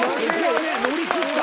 乗り切った。